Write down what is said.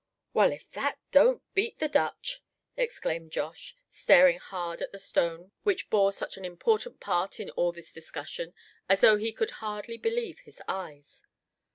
"Well, if that don't beat the Dutch!" exclaimed Josh, staring hard at the stone which bore such an important part in all this discussion, as though he could hardly believe his eyes.